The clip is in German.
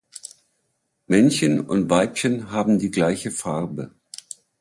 Männchen und Weibchen haben die gleiche Farbe.